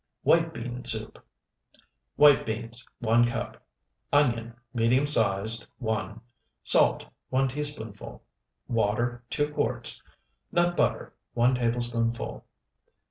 WHITE BEAN SOUP White beans, 1 cup. Onion, medium sized, 1. Salt, 1 teaspoonful. Water, 2 quarts. Nut butter, 1 tablespoonful.